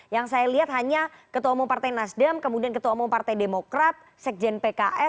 yang saya lihat hanya ketua umum partai nasdem kemudian ketua umum partai demokrat sekjen pks